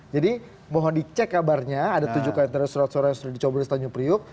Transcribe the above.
jadi mohon dicek kabarnya ada tujuh kontainer surat suara yang sudah dicoblos di tanjung priuk